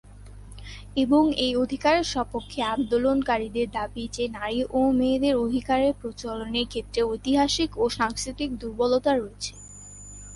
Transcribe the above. এবং এই অধিকারের স্বপক্ষে আন্দোলনকারীদের দাবী যে, নারী ও মেয়েদের অধিকারের প্রচলনের ক্ষেত্রে ঐতিহাসিক ও সাংস্কৃতিক দুর্বলতা রয়েছে।